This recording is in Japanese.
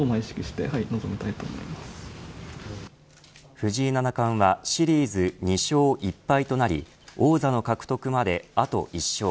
藤井七冠はシリーズ１勝１敗となり王座の獲得まであと１勝。